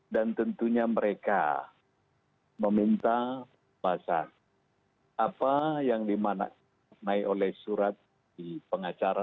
dan tentunya mereka meminta bahas apa yang dimana naik oleh surat di pengacara